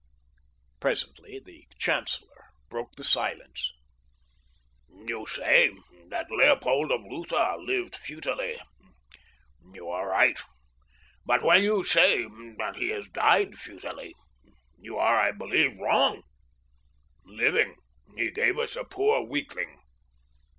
Presently the chancellor broke the silence. "You say that Leopold of Lutha lived futilely. You are right; but when you say that he has died futilely, you are, I believe, wrong. Living, he gave us a poor weakling.